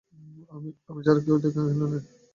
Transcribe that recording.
আমি ছাড়া কেউ নেই এখানে।